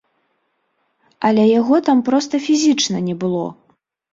Але яго там проста фізічна не было!